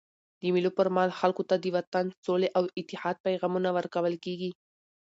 د مېلو پر مهال خلکو ته د وطن، سولي او اتحاد پیغامونه ورکول کېږي.